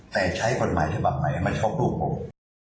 แต่ใช้ความหมายถ้าบอกไหมมันชอบลูกผม